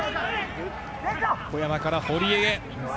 小山から堀江へ。